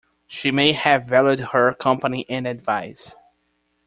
She may have valued her company and advice.